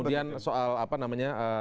kemudian soal apa namanya